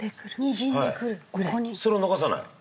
それを逃さない？